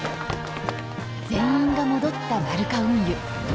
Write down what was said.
全員が戻ったマルカ運輸。